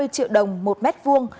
ba mươi triệu đồng một mét vuông